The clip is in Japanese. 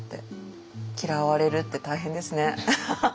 嫌われるって大変ですね。